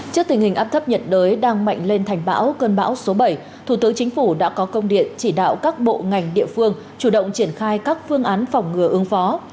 trước tình hình áp thấp nhiệt đới đang mạnh lên thành bão cơn bão số bảy thủ tướng chính phủ đã có công điện chỉ đạo các bộ ngành địa phương chủ động triển khai các phương án phỏng ngừa ứng phó